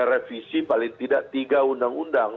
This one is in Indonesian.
karena merevisi paling tidak tiga undang undang